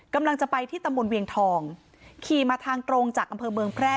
กำลังจะไปที่ตำบลเวียงทองขี่มาทางตรงจากอำเภอเมืองแพร่